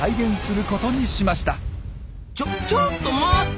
ちょちょっと待った！